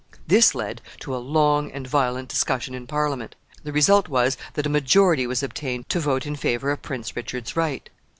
This led to a long and violent discussion in Parliament. The result was, that a majority was obtained to vote in favor of Prince Richard's right.